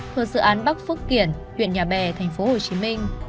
thuộc sự án bắc phước kiển huyện nhà bè tp hcm